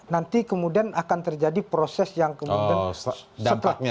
nanti kemudian akan terjadi proses yang kemudian setelah